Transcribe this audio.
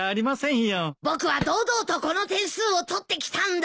僕は堂々とこの点数を取ってきたんだ。